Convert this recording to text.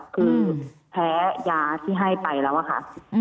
คือแพ้ยาที่ให้ไปแล้วอะค่ะ